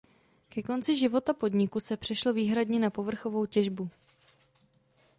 Ke konci života podniku se přešlo výhradně na povrchovou těžbu.